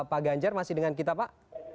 pak ganjar masih dengan kita pak